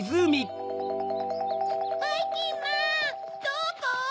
ばいきんまんどこ？